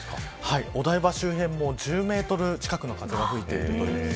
お台場周辺も、１０メートル近くの風が吹いているみたいです。